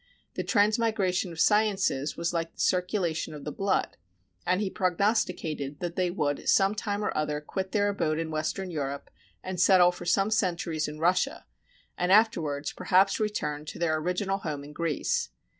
The trans migration of sciences was like the circulation of the blood, and he prognosticated that they would some time or other quit their abode in western Europe and settle for some centuries in Russia, and afterwards perhaps return to their original home in Greece.